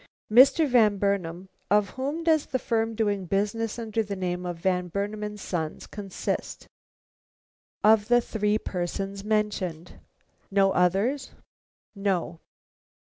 "Mr. Van Burnam, of whom does the firm doing business under the name of Van Burnam & Sons consist?" "Of the three persons mentioned." "No others?" "No."